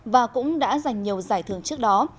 và cũng đã giành nhiều giải thưởng trước đó